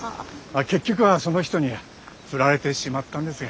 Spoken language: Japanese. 結局はその人に振られてしまったんですが。